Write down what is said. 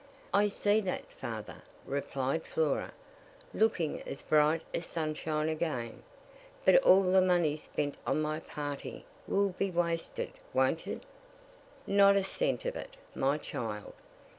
"I see that, father," replied Flora, looking as bright as sunshine again; "but all the money spent on my party will be wasted won't it?" "Not a cent of it; my child.